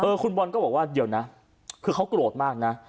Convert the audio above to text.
คุณบอลก็บอกว่าเดี๋ยวนะคือเขาโกรธมากนะ